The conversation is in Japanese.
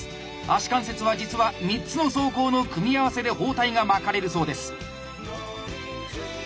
足関節は実は３つの走行の組み合わせで包帯が巻かれるそうです。